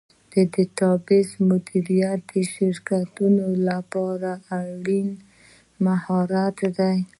ډیټابیس مدیریت د شرکتونو لپاره اړین مهارت دی.